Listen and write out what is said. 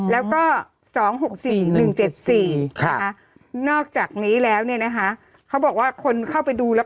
แล้วก็๒๖๔๑๗๔นอกจากนี้แล้วเนี่ยนะคะเขาบอกว่าคนเข้าไปดูแล้ว